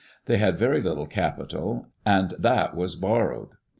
They had very little capital, and that was borrowed.